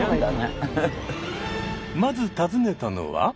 まず訪ねたのは。